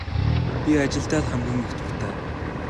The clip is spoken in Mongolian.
Би ажилдаа л хамгийн их дуртай.